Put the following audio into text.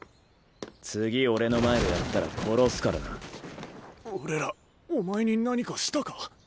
次俺の前でやったら殺すからな俺らお前に何かしたか？